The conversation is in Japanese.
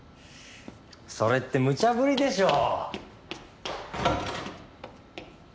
それってむちゃぶりでしょ。